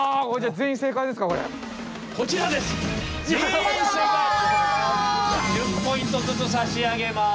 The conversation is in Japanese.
全員正解１０ポイントずつ差し上げます。